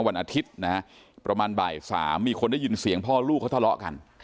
วันอาทิตย์นะฮะประมาณบ่ายสามมีคนได้ยินเสียงพ่อลูกเขาทะเลาะกัน